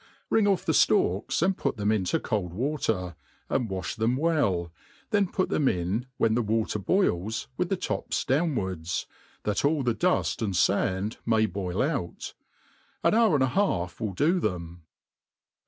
WRING off the ftalks, and put them into cold watcr^ and Wa(h them well, then put them in, when the water boils^ with the tops downwards, that all the duft and fand may boil out« An hour and a half will do them.